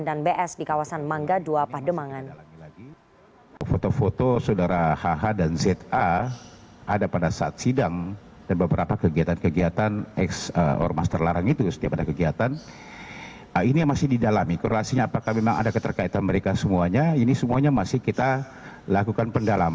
dan bs di kawasan mangga dua pahdemangan